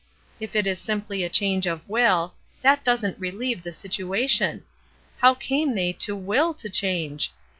If it is simply a change of will, that doesn't relieve the situation. How came they to will to change